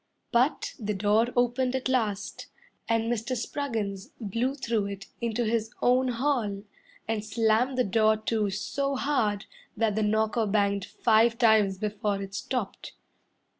But the door opened at last, And Mr. Spruggins blew through it into his own hall And slammed the door to so hard That the knocker banged five times before it stopped.